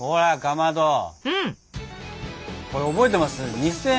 これ覚えてます？